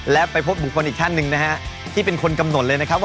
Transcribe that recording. และไปพบบุคคลอีกท่านหนึ่งนะฮะที่เป็นคนกำหนดเลยนะครับว่า